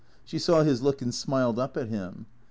She saw his look and smiled up at him.